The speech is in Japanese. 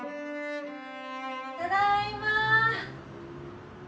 ただいま。